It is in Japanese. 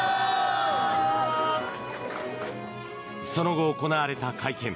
その後、行われた会見。